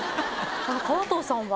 川藤さんは。